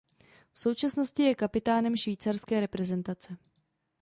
V současnosti je kapitánem švýcarské reprezentace.